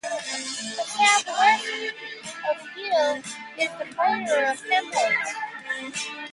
To the southwest of Gill is the crater Helmholtz.